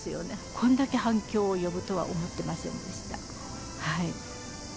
これだけ反響を呼ぶとは思ってませんでした。